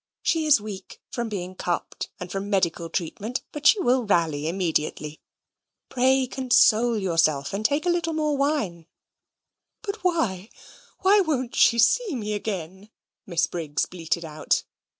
She is weak from being cupped and from medical treatment, but she will rally immediately. Pray console yourself, and take a little more wine." "But why, why won't she see me again?" Miss Briggs bleated out.